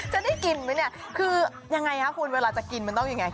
จะได้กินไหมเนี่ยคือยังไงคะคุณเวลาจะกินมันต้องยังไง